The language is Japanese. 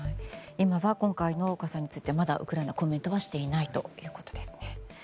今回の火災についてウクライナはコメントしていないということです。